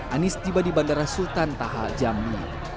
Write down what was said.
anies tiba di bandara sultan taha jambi